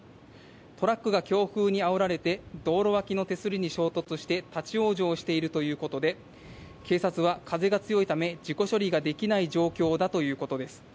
トラックが強風にあおられて、道路脇の手すりに衝突して立往生しているということで、警察は風が強いため、事故処理ができない状況だということです。